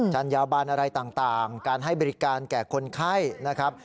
จัญญาบันอะไรต่างการให้บริการแก่คนไข้นะครับ